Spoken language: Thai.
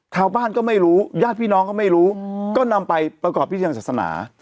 ชาวบ้านก็ไม่รู้ญาติพี่น้องก็ไม่รู้ก็นำไปประกอบพิธีทางศาสนา